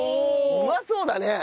うまそうだね。